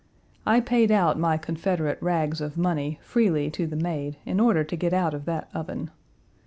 I paid out my Confederate rags of money freely to the maid in order to get out of that oven.